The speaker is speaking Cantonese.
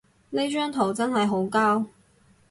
呢張圖真係好膠